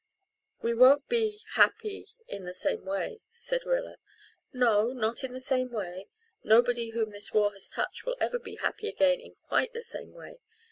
"We won't be happy in the same way," said Rilla. "No, not in the same way. Nobody whom this war has touched will ever be happy again in quite the same way.